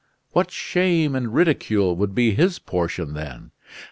What shame and ridicule would be his portion, then!